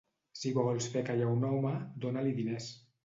Si vols fer callar un home, dona-li diners.